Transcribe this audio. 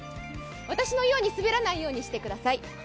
私のように滑らないようにしてください。